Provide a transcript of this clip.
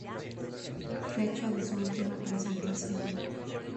Fecha de su ultima presentación.